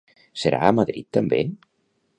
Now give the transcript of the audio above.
Serà a Madrid també?